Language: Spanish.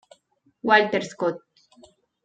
Walter Scott.